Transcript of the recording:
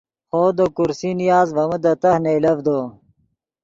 خوو دے کرسی نیاست ڤے من دے تہہ نئیلڤدو